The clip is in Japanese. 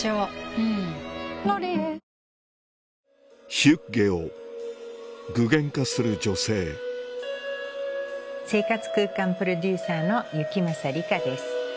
ヒュッゲを具現化する女性生活空間プロデューサーの行正り香です。